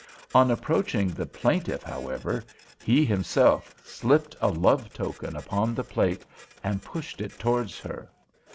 On approaching the plaintiff, however, he himself slipped a love token upon the plate and pushed it towards her.